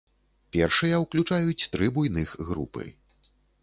Першыя ўключаюць тры буйных групы.